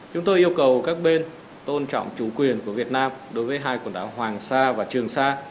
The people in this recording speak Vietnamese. chúng tôi yêu cầu các bên tôn trọng chủ quyền của việt nam đối với hai quần đảo hoàng sa và trường sa